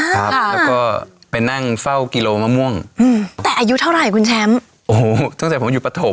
ครับแล้วก็ไปนั่งเฝ้ากิโลมะม่วงอืมแต่อายุเท่าไหร่คุณแชมป์โอ้โหตั้งแต่ผมอยู่ปฐม